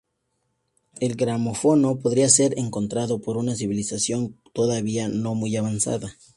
El gramófono podría ser encontrado por una civilización todavía no muy avanzada.